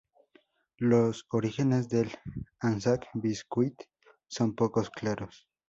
Los orígenes del "Anzac biscuit" son poco claros.